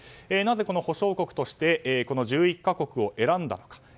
なぜ保証国としてこの１１か国を選んだのか。